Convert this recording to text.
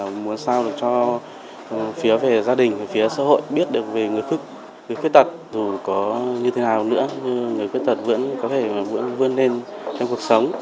mình muốn sao được cho phía gia đình phía xã hội biết được về người khức người khuyết tật dù có như thế nào nữa nhưng người khuyết tật vẫn có thể vươn lên trong cuộc sống